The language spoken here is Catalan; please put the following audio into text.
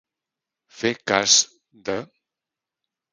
Fer cas de.